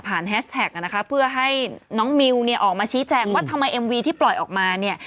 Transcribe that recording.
แฮชแท็กนะคะเพื่อให้น้องมิวเนี่ยออกมาชี้แจงว่าทำไมเอ็มวีที่ปล่อยออกมาเนี่ย